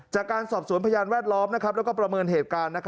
จากการสอบสวนพยานแวดล้อมและประเมินเหตุการณ์